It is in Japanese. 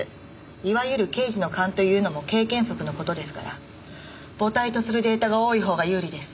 いわゆる刑事の勘というのも経験則の事ですから母体とするデータが多いほうが有利です。